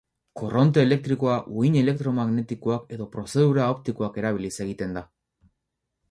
Korronte elektrikoa, uhin elektromagnetikoak edo prozedura optikoak erabiliz egiten da.